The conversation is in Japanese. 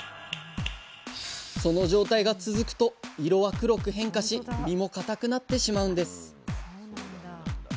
その状態が続くと色は黒く変化し身もかたくなってしまうんです。